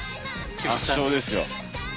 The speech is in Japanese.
圧勝ですよ。